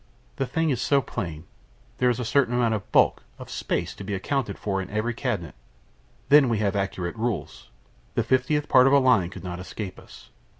The thing is so plain. There is a certain amount of bulk of space to be accounted for in every cabinet. Then we have accurate rules. The fiftieth part of a line could not escape us.